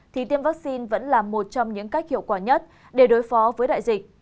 thì tiêm vaccine vẫn là một trong những cách hiệu quả nhất để đối phó với đại dịch